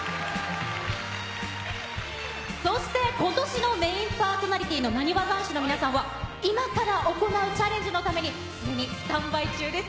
そして、ことしのメインパーソナリティーのなにわ男子の皆さんは、今から行うチャレンジのために既にスタンバイ中です。